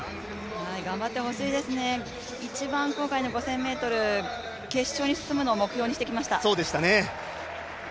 頑張ってほしいですね一番今回の５０００ｍ、決勝に進むのを目標にしてきました。